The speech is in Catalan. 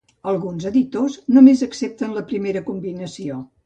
Alguns editors només accepten la primera combinació.